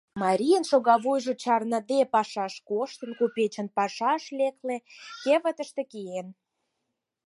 Марийын шогавуйжо чарныде пашаште коштын, купечын, пашаш лекле, кевытыште киен.